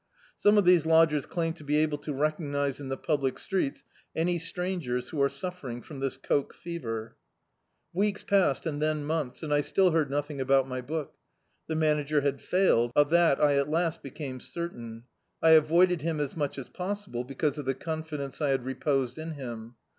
S(Mne of these lodgers clum to be able to recognise in the public streets any strangers who are suffering from this coke fever. D,i.,.db, Google The Autobiography of a Super Tramp Weeks passed and then moodis, and I still heard nothing about my book. The Manager had failed, of that I at last became certain. I avoided him as much as possible, because of the oxifidenix I had reposed in him.